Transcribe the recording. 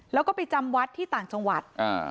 แล้วก็ไปจำวัดที่ต่างจังหวัด